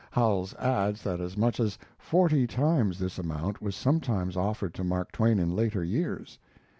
Howells adds that as much as forty times this amount was sometimes offered to Mark Twain in later years.